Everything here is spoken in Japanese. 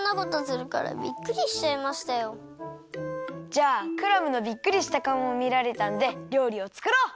じゃあクラムのびっくりしたかおもみられたんで料理をつくろう！